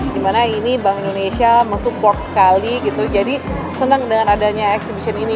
dimana ini bank indonesia mensupport sekali gitu jadi senang dengan adanya exhibition ini